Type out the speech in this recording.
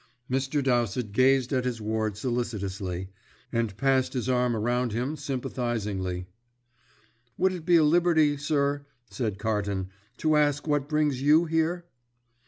Mr. Dowsett gazed at his ward solicitously, and passed his arm around him sympathisingly. "Would it be a liberty, sir," said Carton, "to ask what brings you here?"